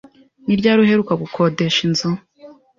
Ni ryari uheruka gukodesha inzu?